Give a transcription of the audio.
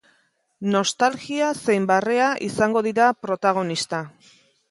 Nostalgia zein barrea izango dira protagonista.